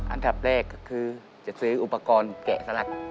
อันดับแรกก็คือจะซื้ออุปกรณ์แกะสลัก